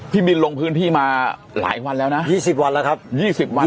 พี่บินลงพื้นที่มาหลายวันแล้วนะยี่สิบวันแล้วครับยี่สิบวันแล้ว